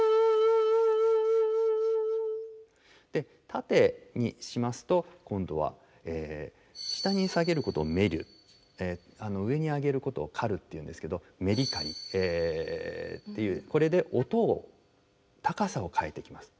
縦にしますと今度は下に下げることを「沈る」上に上げることを「浮る」っていうんですけどメリカリっていうこれで音を高さを変えていきます。